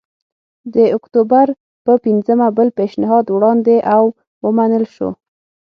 د اکتوبر په پنځمه بل پېشنهاد وړاندې او ومنل شو